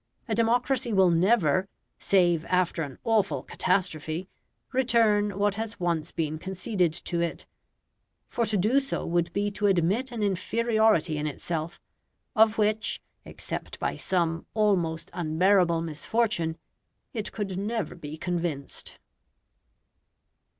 A democracy will never, save after an awful catastrophe, return what has once been conceded to it, for to do so would be to admit an inferiority in itself, of which, except by some almost unbearable misfortune, it could never be convinced.